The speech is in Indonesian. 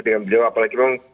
dengan beliau apalagi memang